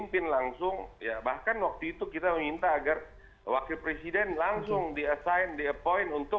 maka ketika case itu